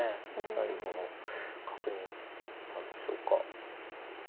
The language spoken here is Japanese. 最後の確認なんでしょうか。